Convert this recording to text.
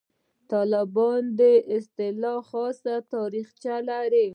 «طالبان» اصطلاح خاصه تاریخچه لري.